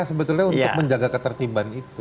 sebetulnya untuk menjaga ketertiban itu